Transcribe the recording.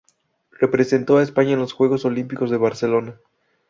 Representó a España en los Juegos Olímpicos de Barcelona.